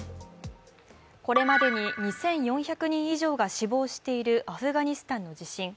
これまでに２４００人以上が死亡しているアフガニスタンの地震。